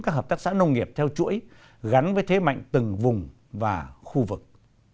các hợp tác xã nông nghiệp theo chuỗi gắn với thế mạnh từng vùng và khu vực